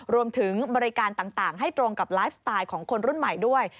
รวมถึงบริการต่างให้ตรงกับไลฟ์สไตล์ของคนรุ่นใหม่ด้วย